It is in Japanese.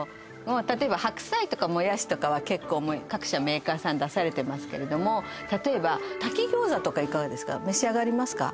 例えば白菜とかもやしとかは結構各社メーカーさん出されてますけれども例えば炊き餃子とかいかがですか召し上がりますか？